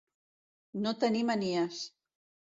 No tenir manies.